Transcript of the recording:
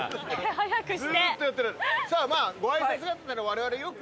早くして。